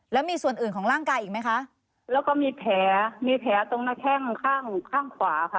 แล้วมีส่วนอื่นของร่างกายอีกไหมคะแล้วก็มีแผลมีแผลตรงหน้าแข้งข้างข้างขวาค่ะ